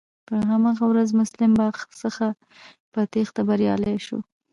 په هماغه ورځ مسلم باغ څخه په تېښته بريالی شوم.